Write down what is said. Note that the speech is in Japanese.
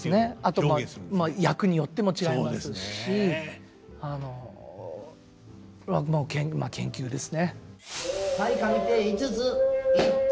あと役によっても違いますしあのまあ研究ですね。